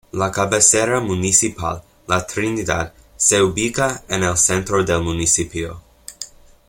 La cabecera municipal, La Trinidad, se ubica en el centro del municipio.